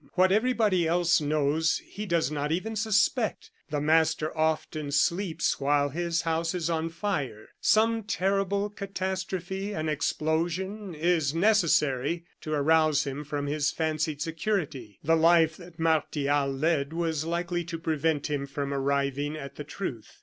What everybody else knows he does not even suspect. The master often sleeps while his house is on fire. Some terrible catastrophe an explosion is necessary to arouse him from his fancied security. The life that Martial led was likely to prevent him from arriving at the truth.